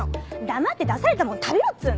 黙って出されたもん食べろっつうの。